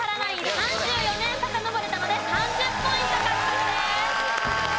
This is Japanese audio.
３４年さかのぼれたので３０ポイント獲得です。